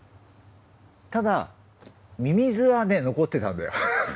ただミミズはね残ってたんだよ。